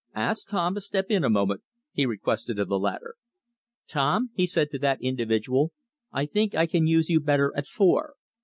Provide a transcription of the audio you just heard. "Ask Tom to step in a moment," he requested of the latter. "Tom," he said to that individual, "I think I can use you better at Four.